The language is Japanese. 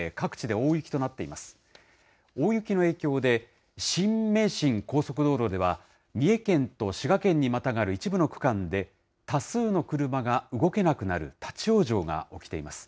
大雪の影響で、新名神高速道路では、三重県と滋賀県にまたがる一部の区間で多数の車が動けなくなる立往生が起きています。